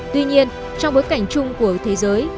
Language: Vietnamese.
tuy nhiên trong bối cảnh chung của thế giới